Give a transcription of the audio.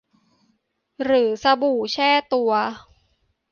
หรือสบู่แช่ตัว